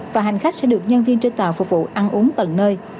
và hành khách sẽ được nhân viên trên tàu phục vụ ăn uống tận nơi